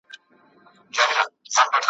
نن پخپله د ښکاري غشي ویشتلی ,